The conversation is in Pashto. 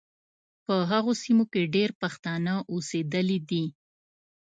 په هغو سیمو کې ډېر پښتانه اوسېدلي دي.